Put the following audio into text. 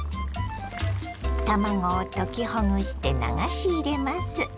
卵を溶きほぐして流し入れます。